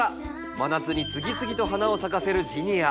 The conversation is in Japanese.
真夏に次々と花を咲かせるジニア。